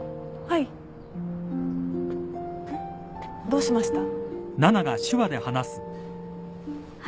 えっどうしました？